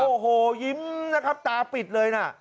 โอ้โหยิ้มนะครับตาปิดเลยนะ